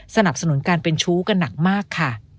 สนับสนุนการเป็นชู้กันหนักมากค่ะ